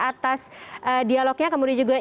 atas dialognya kemudian juga